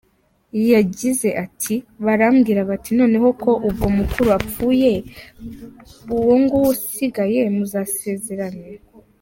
Yagize ati: “Barambwira bati noneho ko ubwo mukuru apfuye, uwo nguwo usigaye muzasezerane.